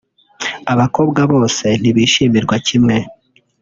Abakobwa bose ntibishimirwaga kimwe